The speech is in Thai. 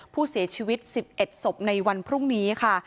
ผู้เสียชีวิต๑๑ศพในวันพรุ่งนี้ค่ะ